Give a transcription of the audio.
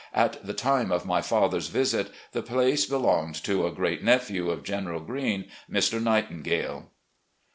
At the time of my father's visit the place belonged to a great nephewj of General Green, Mr. Nightingale.